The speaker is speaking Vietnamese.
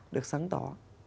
được sáng tỏ